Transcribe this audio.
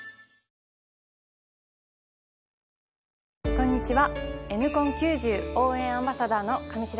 こんにちは。